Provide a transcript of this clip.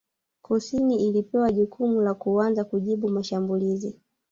Kusini ilipewa jukumu la kuanza kujibu mashambulizi